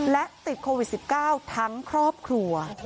และติดโควิด๑๙ทั้งครอบครัว